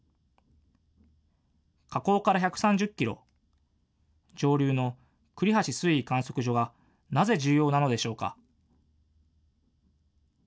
河口から１３０キロ、上流の栗橋水位観測所がなぜ重要なのでしょうか。